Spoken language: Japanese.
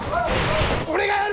俺がやる！